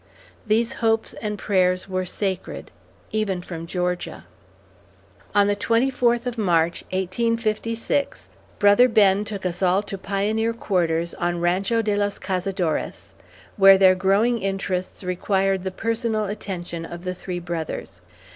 These hopes and prayers were sacred, even from Georgia. On the twenty fourth of March, 1856, brother Ben took us all to pioneer quarters on Rancho de los Cazadores, where their growing interests required the personal attention of the three brothers.